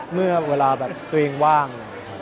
เมื่อเวลาแบบตัวเองว่าง